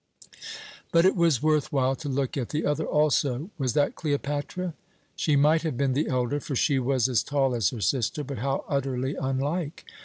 "But it was worth while to look at the other also. Was that Cleopatra? She might have been the elder, for she was as tall as her sister, but how utterly unlike!